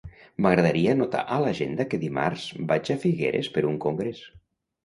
M'agradaria anotar a l'agenda que dimarts vaig a Figueres per un congrés.